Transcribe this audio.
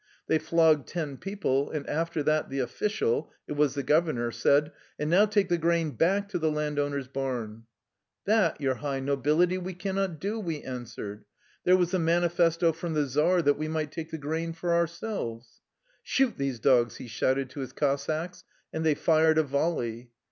They flogged ten people, and after that the official — it was the governor — said :"' And now take the grain back to the land owner's barn.' "' That, your high Nobility, we cannot do,' we answered. ^ There was a manifesto from the czar that we might take the grain for ourselves.' "' Shoot these dogs I ' he shouted to his Cos sacks, and they fired a volley.